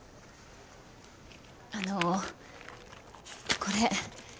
あのうこれ。